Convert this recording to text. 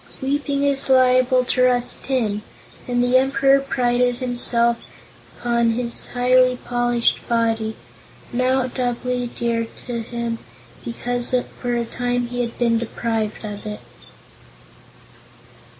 Weeping is liable to rust tin, and the Emperor prided himself upon his highly polished body now doubly dear to him because for a time he had been deprived of it.